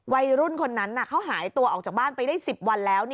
วัยรุ่นคนนั้นเขาหายตัวออกจากบ้านไปได้๑๐วันแล้ว